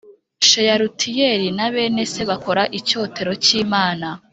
Sheyalutiyeli na bene se bakora icyotero cy imana